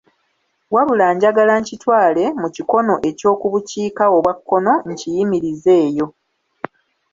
Wabula njagala nkitwale mu kikono eky'oku bukiika obwa kkono nkiyimirize eyo.